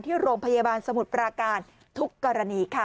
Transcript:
ที่โรงพยาบาลสมุทรปราการทุกกรณีค่ะ